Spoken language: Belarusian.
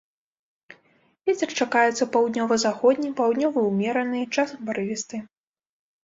Вецер чакаецца паўднёва-заходні, паўднёвы ўмераны, часам парывісты.